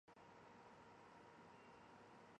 海南鱼藤为豆科鱼藤属下的一个种。